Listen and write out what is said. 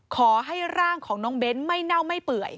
ขอให้ร่างของน้องเบ้นไม่เน่าไม่เปื่อย